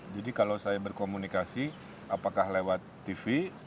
jadi kalau saya berkomunikasi apakah lewat tv